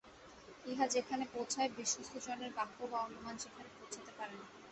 ইহা যেখানে পৌঁছায়, বিশ্বস্ত জনের বাক্য বা অনুমান সেখানে পৌঁছাতে পারে না।